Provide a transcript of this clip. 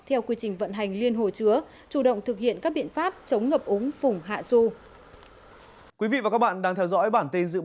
theo quy trình vận hành liên hồ chứa chủ động thực hiện các biện pháp chống ngập ống phủng hạ ru